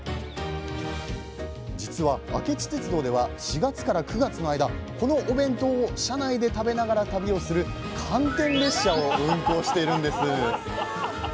実は明知鉄道では４月から９月の間このお弁当を車内で食べながら旅をする「寒天列車」を運行してるんです！